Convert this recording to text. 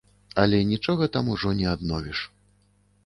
Але нічога там ужо не адновіш.